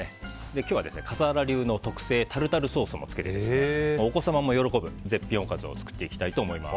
今日は笠原流の特製タルタルソースもつけてお子様も喜ぶ絶品おかずを作っていきたいと思います。